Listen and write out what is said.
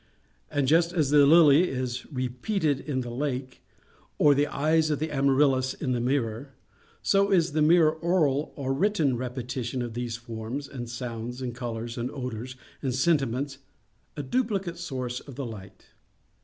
And just as the lily is repeated in the lake, or the eyes of Amaryllis in the mirror, so is the mere oral or written repetition of these forms, and sounds, and colors, and odors, and sentiments a duplicate source of the light.